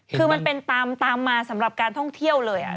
คือมันเป็นตามมาสำหรับการท่องเที่ยวเลย